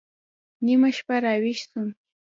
نيمه شپه راويښ سوم.